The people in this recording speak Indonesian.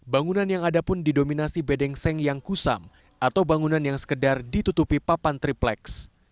bangunan yang ada pun didominasi bedeng seng yang kusam atau bangunan yang sekedar ditutupi papan tripleks